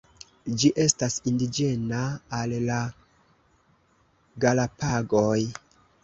Ĝi estas indiĝena al la Galapagoj.